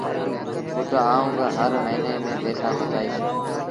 پُٽ آئوٚݩ با هر موهيݩي ميݩ پئيٚسآ بچآئيٚس۔